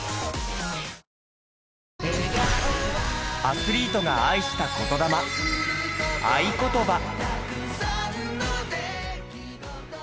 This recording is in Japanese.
アスリートが愛した言魂『愛ことば』。